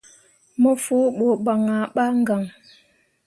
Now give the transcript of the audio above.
Mo fu ɓu ban ah ɓa gaŋ.